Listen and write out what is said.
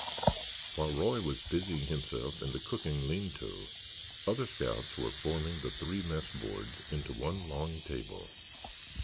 While Roy was busying himself in the cooking lean to other scouts were forming the three mess boards into one long table.